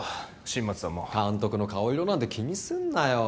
新町さんも監督の顔色なんて気にすんなよ